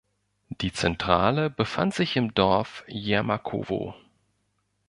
Die Zentrale befand sich im Dorf Jermakowo.